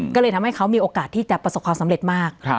ก็เลยทำให้เขามีโอกาสที่จะประสบความสำเร็จมาก